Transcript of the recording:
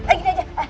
eh gini aja